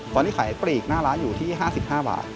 ตอนนี้ขายปลีกหน้าร้านอยู่ที่๕๕บาท